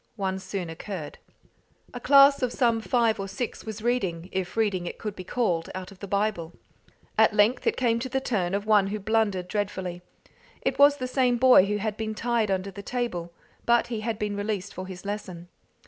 One soon occurred. A class of some five or six was reading, if reading it could be called, out of the Bible. At length it came to the turn of one who blundered dreadfully. It was the same boy who had been tied under the table, but he had been released for his lesson.